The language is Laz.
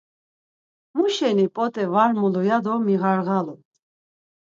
Muşeni p̌ot̆e var mulur ya do miğarğalu.